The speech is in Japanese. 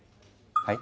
はい？